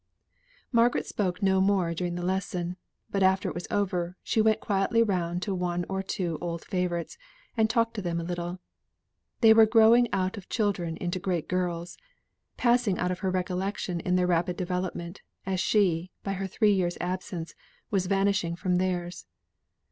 Margaret spoke no more during the lesson. But after it was over, she went quietly round to one or two old favourites, and talked to them a little. They were growing out of children into great girls; passing out of their recollection in their rapid development, as she, by her three year's absence, was vanishing from theirs.